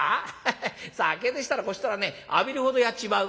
ヘヘッ酒でしたらこちとらね浴びるほどやっちまう」。